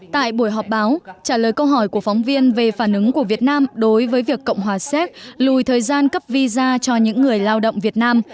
tại buổi họp báo trả lời câu hỏi của phóng viên về phản ứng của việt nam đối với việc cộng hòa séc lùi thời gian cấp visa cho những người lao động việt nam